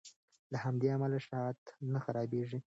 له همدې امله شات نه خرابیږي.